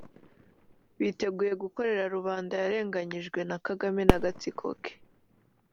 biteguye gukorera rubanda yarenganyijwe na Kagame n’agatsiko ke